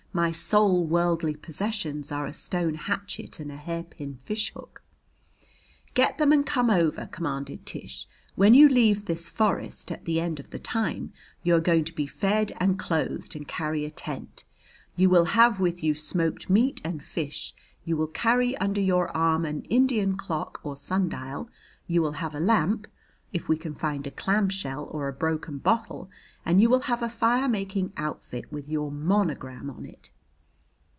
"My sole worldly possessions are a stone hatchet and a hairpin fishhook." "Get them and come over," commanded Tish. "When you leave this forest at the end of the time you are going to be fed and clothed and carry a tent; you will have with you smoked meat and fish; you will carry under your arm an Indian clock or sundial; you will have a lamp if we can find a clamshell or a broken bottle and you will have a fire making outfit with your monogram on it."